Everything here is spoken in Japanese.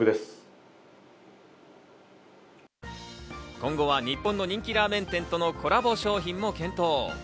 今後は日本の人気ラーメン店とのコラボ商品も検討。